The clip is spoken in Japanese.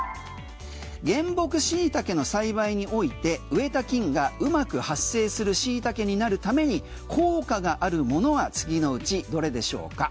原木シイタケの栽培において植えた菌がうまく発生するシイタケになるために効果があるものは次のうちどれでしょうか？